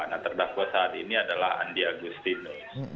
nah terdakwa saat ini adalah andi agustinus